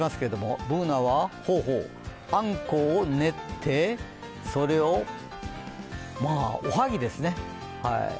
Ｂｏｏｎａは、あんこを練って、それを、おはぎですね。